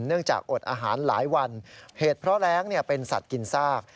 จากอดอาหารหลายวันเหตุเพราะแรงเป็นสัตว์กินซาก